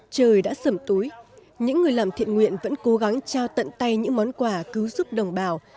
trời đã sầm túi những người làm thiện nguyện vẫn cố gắng trao tận tay những món quà cứu giúp đồng bào